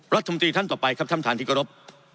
รัฐมนตรีท่านต่อไปครับท่านประธานที่กรบ